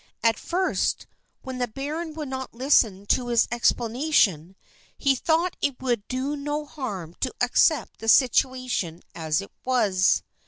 At first, when the baron would not listen to his explanation, he thought it would do no harm to accept the situation as it was.